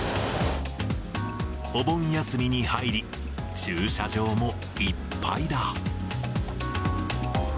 お盆休みに入り、駐車場もいっぱいだ。